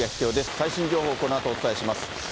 最新情報、このあとお伝えします。